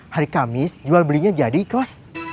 hari kamis jual belinya jadi kos